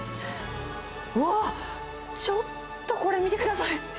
うわ、ちょっとこれ、見てください。